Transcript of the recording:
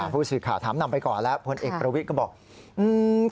ผู้สื่อข่าวถามนำไปก่อนแล้วพลเอกประวิทย์ก็บอก